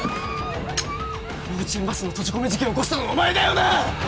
幼稚園バスの閉じ込め事件を起こしたのはお前だよな！